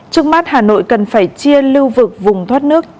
trước mắt hà nội cần phải chia lưu vực vùng thoát nước